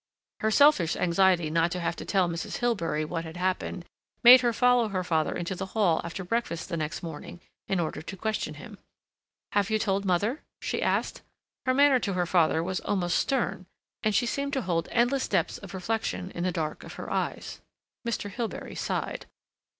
Her selfish anxiety not to have to tell Mrs. Hilbery what had happened made her follow her father into the hall after breakfast the next morning in order to question him. "Have you told mother?" she asked. Her manner to her father was almost stern, and she seemed to hold endless depths of reflection in the dark of her eyes. Mr. Hilbery sighed.